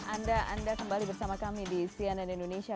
anda anda kembali bersama kami di cnn indonesia